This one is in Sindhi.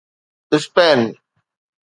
اسپين